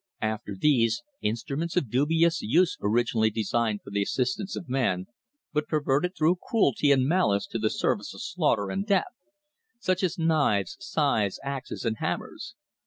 After these, instruments of dubious use originally designed for the assistance of man, but perverted through cruelty and malice to the service of slaughter and death; such as knives, scythes, axes and hammers.